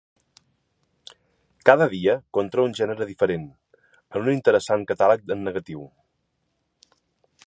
Cada dia contra un gènere diferent, en un interessant catàleg en negatiu.